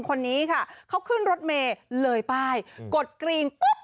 คนนี้ค่ะเขาขึ้นรถเมย์เลยป้ายกดกรีงปุ๊บ